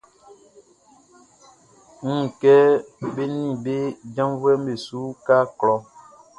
E wun kɛ be nin be janvuɛʼn be su uka klɔʼn.